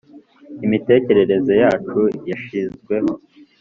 imitekerereze yacu, yashizweho